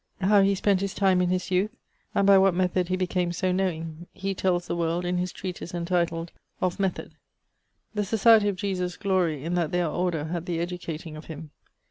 How he spent his time in his youth, and by what method he became so knowing, he tells the world in his treatise entituled Of Method. The Societie of Jesus glorie in that theyr order had the educating of him.